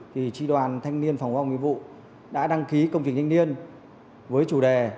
thì tri đoàn thanh niên phòng khoa học nguyên vụ đã đăng ký công trình thanh niên với chủ đề